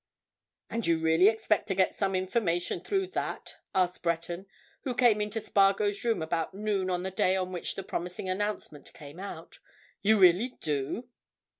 "And you really expect to get some information through that?" asked Breton, who came into Spargo's room about noon on the day on which the promising announcement came out. "You really do?"